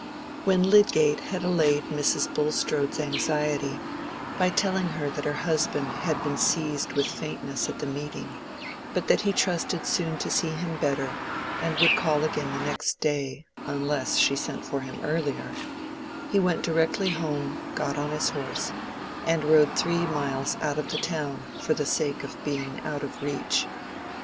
When Lydgate had allayed Mrs. Bulstrode's anxiety by telling her that her husband had been seized with faintness at the meeting, but that he trusted soon to see him better and would call again the next day, unless she sent for him earlier, he went directly home, got on his horse, and rode three miles out of the town for the sake of being out of reach.